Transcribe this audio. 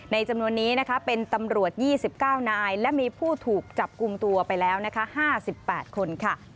ในจำนวนนี้เป็นตำรวจ๒๙นายและมีผู้ถูกจับกุมตัวไปแล้ว๕๘คน